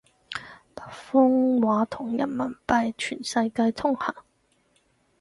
北方話同人民幣全世界通行